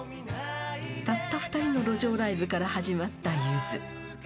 ［たった２人の路上ライブから始まったゆず］